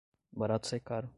O barato sai caro